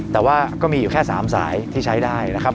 แต่ว่าก็มีอยู่แค่๓สายที่ใช้ได้นะครับ